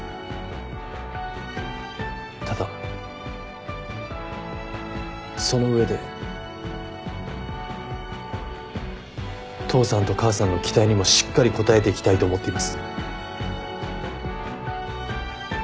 ただその上で父さんと母さんの期待にもしっかり応えていきたいと思っています。